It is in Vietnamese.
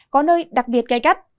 có nơi đặc biệt gai gắt